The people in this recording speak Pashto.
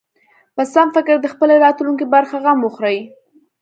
په سم فکر د خپلې راتلونکې برخه غم وخوري.